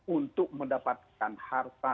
untuk mendapatkan harta